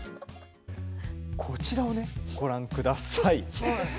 こちらをね、ご覧ください。